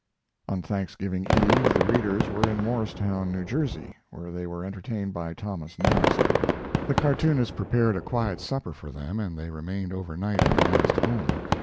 On Thanksgiving Eve the readers were in Morristown, New Jersey, where they were entertained by Thomas Nast. The cartoonist prepared a quiet supper for them and they remained overnight in the Nast home.